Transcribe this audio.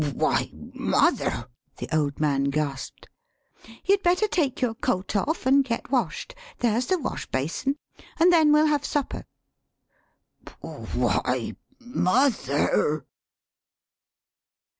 "Why, mother!" [the old man gasped.] "You'd better take your coat off an' get washed there's the wash basin an* then we'll have supper," 178 THE SHORT STORY "Why, mother!"